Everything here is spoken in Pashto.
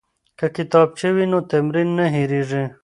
که کتابچه وي نو تمرین نه هیریږي.